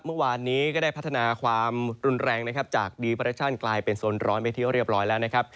เมื่อวานนี้ก็ได้พัฒนาความรุนแรงนะครับจากดีเปรชั่นกลายเป็นโซนร้อนไปที่เรียบร้อยแล้วนะครับ